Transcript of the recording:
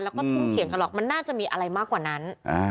แล้วก็ทุ่มเถียงกันหรอกมันน่าจะมีอะไรมากกว่านั้น